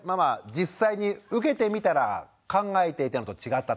実際に受けてみたら考えていたのと違ったと。